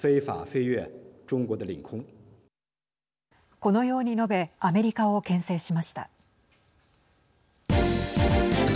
このように述べアメリカをけん制しました。